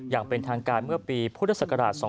อย่างเป็นทางการเมื่อปีพศ๒๕๐๓